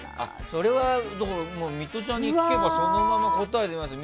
それは、ミトちゃんに聞けばそのまま答え出ますよ。